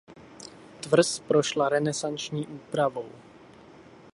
Tvrz prošla renesanční úpravou.